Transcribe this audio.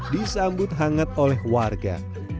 disambut hangat oleh warga